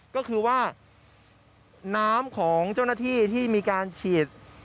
ก็คือว่าน้ำของเจ้าหน้าที่ที่มีการฉีด